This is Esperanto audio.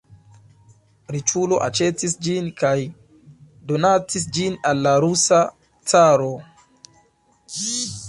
Riĉulo aĉetis ĝin kaj donacis ĝin al la rusa caro.